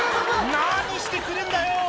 「何してくれんだよ！」